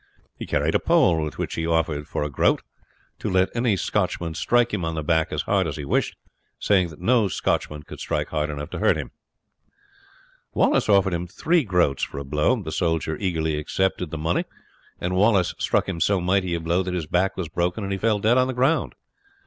He carried a pole, with which he offered, for a groat, to let any Scotchman strike him on the back as hard as he pleased, saying that no Scotchman could strike hard enough to hurt him. Wallace offered him three groats for a blow. The soldier eagerly accepted the money, and Wallace struck him so mighty a blow that his back was broken and he fell dead on the ground.